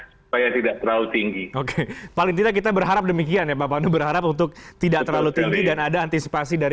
supaya tidak tinggi adalah mengutus